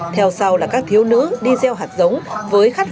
theo sau là các thiết kế